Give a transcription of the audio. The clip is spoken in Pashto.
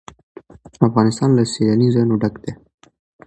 افغانستان له سیلانی ځایونه ډک دی.